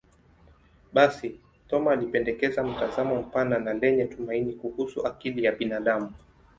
Basi, Thoma alipendekeza mtazamo mpana na lenye tumaini kuhusu akili ya binadamu.